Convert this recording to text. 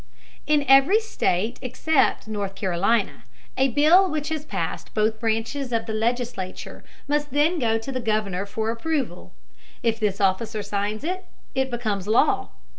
In every state except North Carolina, a bill which has passed both branches of the legislature must then go to the Governor for approval. If this officer signs it, it becomes law.